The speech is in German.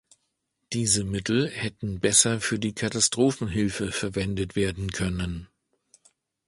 Diese Mittel hätten besser für die Katastrophenhilfe verwendet werden können.